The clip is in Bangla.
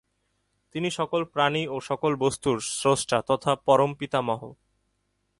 তিনি সকল প্রাণী এবং সকল বস্তুর স্রষ্টা তথা পরম পিতামহ।